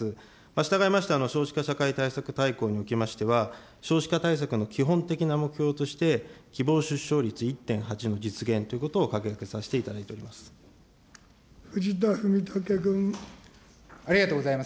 したがいまして、少子化社会対策大綱におきましては、少子化対策の基本的な目標として希望出生率１．８の実現ということを掲げさせていただいております。